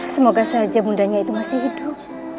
semoga saja bundanya itu masih hidup